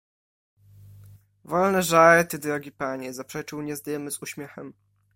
"Wolne żarty, drogi panie!— zaprzeczył nieznajomy z uśmiechem."